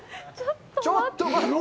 ちょっと待って！